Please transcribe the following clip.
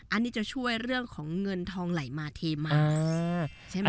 อันนี้จะช่วยเรื่องของเงินทองไหลมาเทมาใช่ไหม